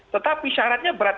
tetapi syaratnya berat